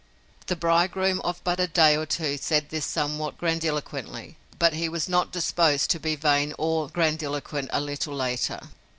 The bridegroom of but a day or two said this somewhat grandiloquently, but he was not disposed to be vain or grandiloquent a little later.